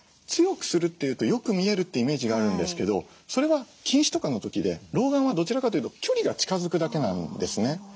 強くするっていうとよく見えるってイメージがあるんですけどそれは近視とかの時で老眼はどちらかというと距離が近づくだけなんですね。